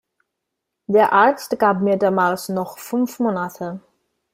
Der Arzt gab mir damals noch fünf Monate.